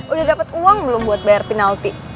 udah dapat uang belum buat bayar penalti